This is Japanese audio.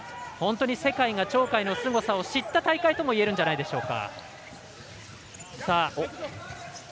世界が鳥海のすごさを知った大会といえるんじゃないでしょうか。